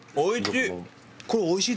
おいしい！